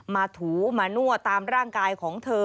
ถูมานั่วตามร่างกายของเธอ